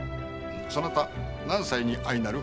そなた何歳に相なる？